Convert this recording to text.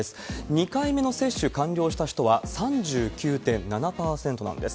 ２回目の接種、完了した人は３９．７％なんです。